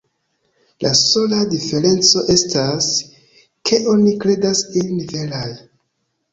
La sola diferenco estas, ke oni kredas ilin veraj.